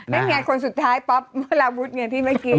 ได้เหงียจคนสุดท้ายป๊อปลาวุดเหงียจที่เมื่อกี้